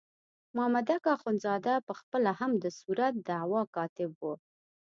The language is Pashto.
مامدک اخندزاده په خپله هم د صورت دعوا کاتب وو.